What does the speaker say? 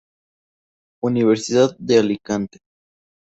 Universidad de Alicante.